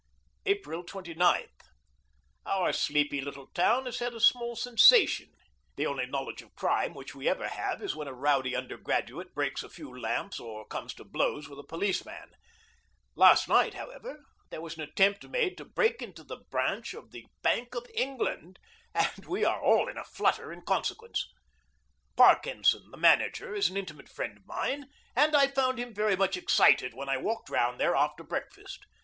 April 29. Our sleepy little town has had a small sensation. The only knowledge of crime which we ever have is when a rowdy undergraduate breaks a few lamps or comes to blows with a policeman. Last night, however, there was an attempt made to break into the branch of the Bank of England, and we are all in a flutter in consequence. Parkenson, the manager, is an intimate friend of mine, and I found him very much excited when I walked round there after breakfast.